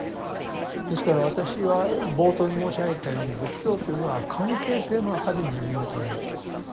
ですから私は冒頭に申し上げたように仏教というのは関係性の中で人間を捉えていくと。